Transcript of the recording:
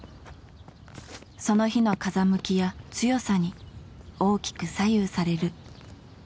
その日の風向きや強さに大きく左右される。